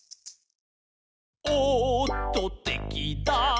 「おっとてきだ」